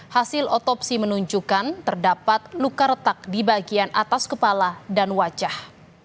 hasil otopsi menunjukkan terdapat luka retak di bagian atas kepala dan wajah